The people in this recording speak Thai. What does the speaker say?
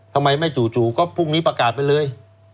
ทำไมไม่จู่ก็พรุ่งนี้ประกาศไปเลย